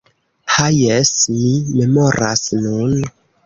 Ha jes! Mi memoras nun: